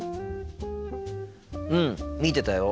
うん見てたよ。